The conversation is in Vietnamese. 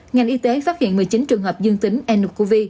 ngành y tế phát hiện một mươi chín trường hợp dương tính nụ